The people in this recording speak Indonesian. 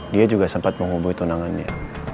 dia juga sempat menghubungi tunangannya